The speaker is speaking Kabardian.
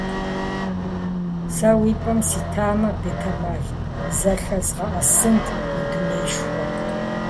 Сэ уи пӏэм ситамэ, бетэмал! Зэлъэзгъэӏэсынт мы дунеишхуэр!